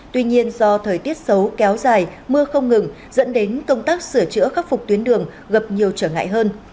tuy nhiên do thời tiết xấu kéo dài mưa không ngừng dẫn đến công tác sửa chữa khắc phục tuyến đường gặp nhiều trở ngại hơn